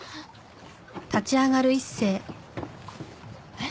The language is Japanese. えっ？